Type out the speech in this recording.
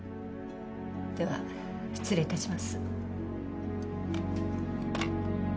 では失礼いたします。